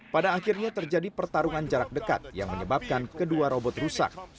pada akhirnya terjadi pertarungan jarak dekat yang menyebabkan kedua robot rusak